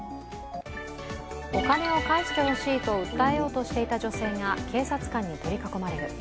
お金を返してほしいと訴えようとしていた女性が警察官に取り囲まれる。